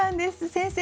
先生